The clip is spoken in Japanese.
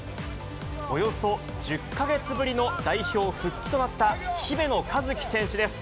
およそ１０か月ぶりの代表復帰となった姫野和樹選手です。